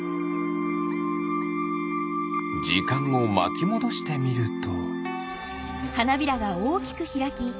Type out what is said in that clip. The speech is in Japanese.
じかんをまきもどしてみると。